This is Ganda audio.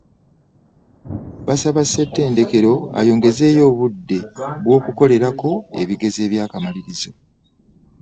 Basaba ssettendekero ayongezeeyo obudde bw'okukolerako ebigezo eby'akamalirizo